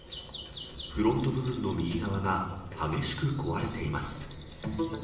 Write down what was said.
フロント部分の右側が激しく壊れています。